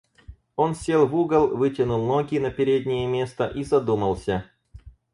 Он сел в угол, вытянул ноги на переднее место и задумался.